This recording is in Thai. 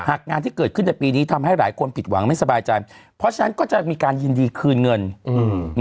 งานที่เกิดขึ้นในปีนี้ทำให้หลายคนผิดหวังไม่สบายใจเพราะฉะนั้นก็จะมีการยินดีคืนเงินอืม